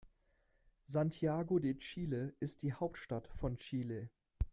Santiago de Chile ist die Hauptstadt von Chile.